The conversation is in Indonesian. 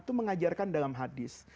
itu mengajarkan dalam hadis